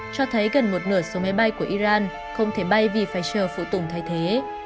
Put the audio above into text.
cho thấy gần một nửa số máy bay của iran không thể bay vì phải chờ phụ tùng thay thế